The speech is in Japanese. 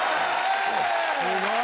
すごい！